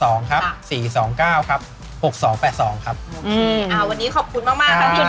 โอเควันนี้ขอบคุณมากขอบคุณมากขอบคุณค่ะ